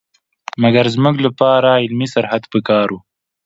مګر زموږ لپاره علمي سرحد په کار وو.